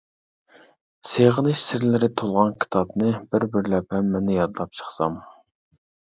سېغىنىش سىرلىرى تولغان كىتابنى، بىر-بىرلەپ ھەممىنى يادلاپ چىقسام.